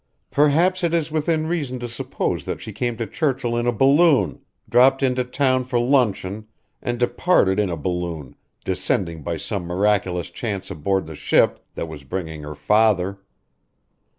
"Perhaps it is within reason to suppose that she came to Churchill in a balloon, dropped into town for luncheon, and departed in a balloon, descending by some miraculous chance aboard the ship that was bringing her father.